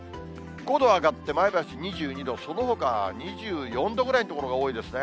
５度上がって前橋２２度、そのほかは２４度ぐらいの所が多いですね。